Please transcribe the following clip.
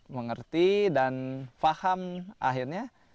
mengerti dan paham akhirnya